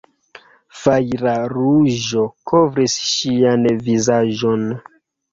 Fajra ruĝo kovris ŝian vizaĝon.